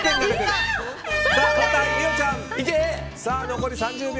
残り３０秒！